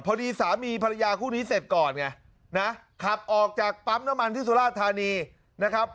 พอดีสามีภรรยาคู่นี้เสร็จก่อนไงนะขับออกจากปั๊มน้ำมันที่สุราธานีนะครับ